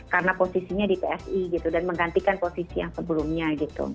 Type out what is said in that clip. karena posisinya di psi gitu dan menggantikan posisi yang sebelumnya gitu